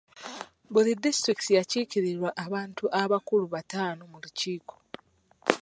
Buli disitulikiti yakiikirirwa abantu abakulu bataano mu lukiiko.